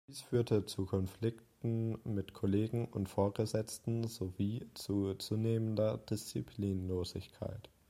Dies führte zu Konflikten mit Kollegen und Vorgesetzten sowie zu zunehmender Disziplinlosigkeit.